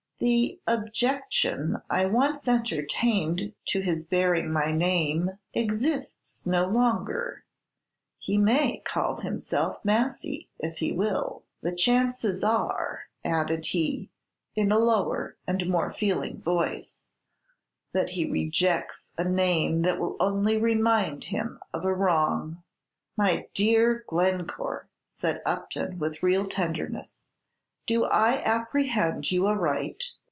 "The objection I once entertained to his bearing my name exists no longer; he may call himself Massy, if he will. The chances are," added he, in a lower and more feeling voice, "that he rejects a name that will only remind him of a wrong!" "My dear Glencore," said Upton, with real tenderness, "do I apprehend you aright?